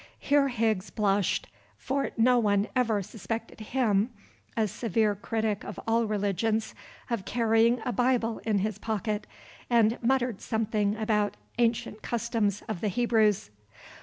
(Here Higgs blushed, for no one ever suspected him, a severe critic of all religions, of carrying a Bible in his pocket, and muttered something about "ancient customs of the Hebrews.")